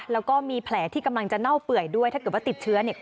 แล้วก็มีแผลที่กำลังจะเน่าเปื่อยด้วยถ้าเกิดว่าติดเชื้อเนี่ย